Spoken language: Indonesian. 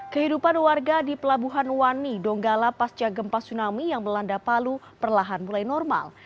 kehidupan warga di pelabuhan wani donggala pasca gempa tsunami yang melanda palu perlahan mulai normal